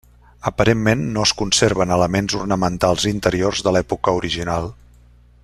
Aparentment no es conserven elements ornamentals interiors de l'època original.